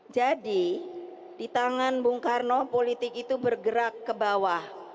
jadi di tangan bung karno politik itu bergerak ke bawah